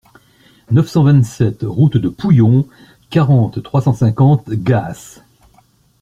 neuf cent vingt-sept route de Pouillon, quarante, trois cent cinquante, Gaas